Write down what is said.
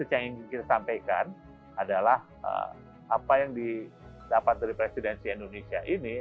yang ingin kita sampaikan adalah apa yang didapat dari presidensi indonesia ini